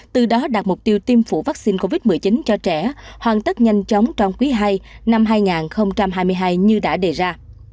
từ đó đạt mục tiêu tiêm phủ vaccine covid một mươi chín cho trẻ hoàn tất nhanh chóng trong quý ii năm hai nghìn hai mươi hai như đã đề ra